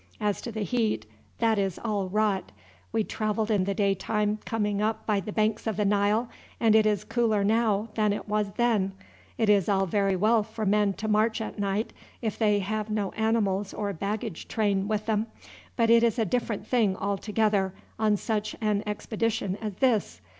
As to the heat, that is all rot. We travelled in the daytime coming up by the banks of the Nile, and it is cooler now than it was then. It is all very well for men to march at night if they have no animals or baggage train with them, but it is a different thing altogether on such an expedition as this.